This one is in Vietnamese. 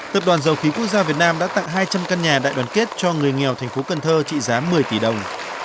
tập đoàn dầu khí quốc gia việt nam đã tặng hai trăm linh căn nhà đại đoàn kết cho người nghèo thành phố cần thơ trị giá một mươi tỷ đồng